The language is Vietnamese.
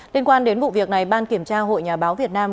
liên quan đến vụ việc này ban kiểm tra hội nhà báo việt nam